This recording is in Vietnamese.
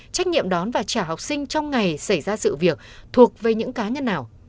trách nhiệm đón và trả học sinh trong ngày xảy ra sự việc thuộc về những cá nhân nào